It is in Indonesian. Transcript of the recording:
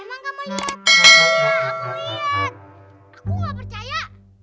aku gak percaya